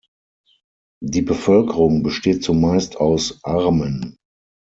Die Bevölkerung besteht zumeist aus Armen.